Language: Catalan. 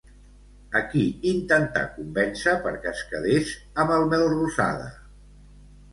A qui intentà convèncer perquè es quedés amb el Melrosada?